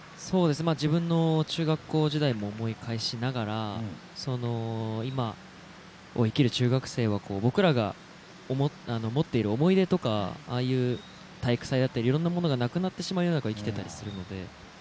自分の中学校時代も思い返しながら今を生きる中学生は僕らが持っている思い出とかああいう体育祭とかいろんなものがなくなってしまう世の中を生きてたりするので。